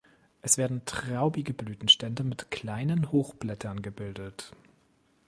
Es werden traubige Blütenstände mit kleinen Hochblättern gebildet.